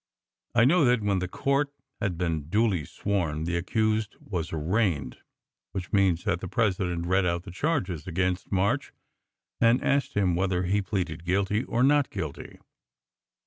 I know that when the court had been duly sworn, the accused was arraigned, which means that the president read out the charges against March, and asked him whether he pleaded guilty or not guilty.